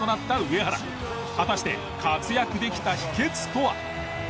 果たして活躍できた秘訣とは？